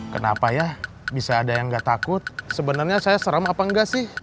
kenapa ya bisa ada yang gak takut sebenarnya saya serem apa enggak sih